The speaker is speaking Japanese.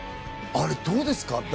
あれどうですか？